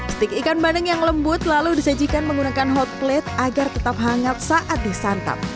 stik ikan bandeng yang lembut lalu disajikan menggunakan hot plate agar tetap hangat saat disantap